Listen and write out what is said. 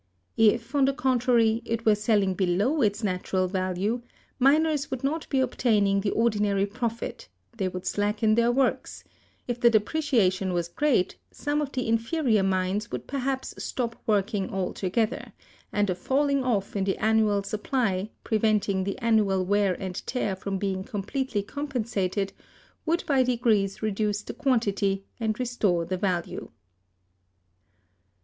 If, on the contrary, it were selling below its natural value, miners would not be obtaining the ordinary profit; they would slacken their works; if the depreciation was great, some of the inferior mines would perhaps stop working altogether: and a falling off in the annual supply, preventing the annual wear and tear from being completely compensated, would by degrees reduce the quantity, and restore the value.